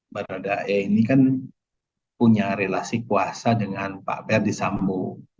baradae ini kan punya relasi kuasa dengan pak verdi sambo